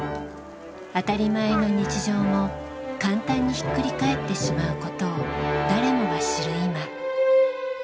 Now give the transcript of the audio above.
「当たり前の日常」も簡単にひっくり返ってしまうことを誰もが知る今。